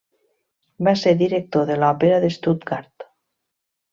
Va ser director de l'Òpera de Stuttgart.